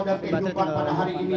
dan kehidupan pada hari ini